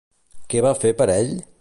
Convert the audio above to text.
Què va fer per ell?